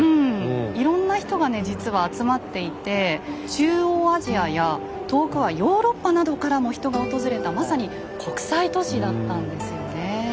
いろんな人がね実は集まっていて中央アジアや遠くはヨーロッパなどからも人が訪れたまさに国際都市だったんですよね。